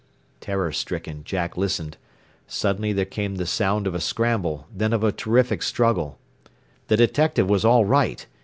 Terror stricken, Jack listened. Suddenly there came the sound of a scramble, then of a terrific struggle. The detective was all right!